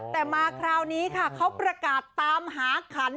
แต่มาคราวนี้ค่ะเขาประกาศตามหาขัน